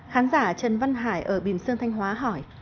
khán giả trần văn hải ở bìm sơn thanh hóa hỏi